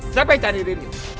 siapa yang cari riri